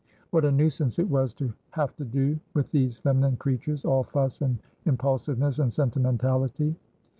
What a nuisance it was to have to do with these feminine creatures, all fuss and impulsiveness and sentimentality!